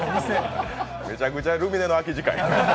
めちゃくちゃルミネの空き時間や。